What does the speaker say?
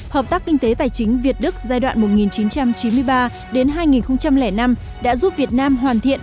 hợp tác kinh tế tài chính việt đức giai đoạn một nghìn chín trăm chín mươi ba hai nghìn năm đã giúp việt nam hoàn thiện